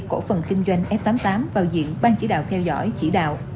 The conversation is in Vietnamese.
cổ phần kinh doanh f tám mươi tám vào diện ban chỉ đạo theo dõi chỉ đạo